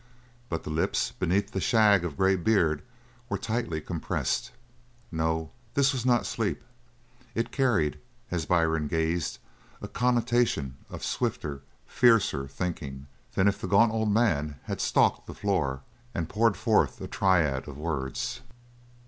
But the lips, beneath the shag of grey beard, were tightly compressed. No, this was not sleep. It carried, as Byrne gazed, a connotation of swifter, fiercer thinking, than if the gaunt old man had stalked the floor and poured forth a tirade of words.